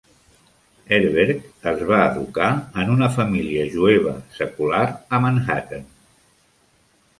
Herberg es va educar en una família jueva secular a Manhattan.